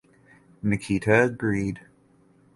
Nikita agreed.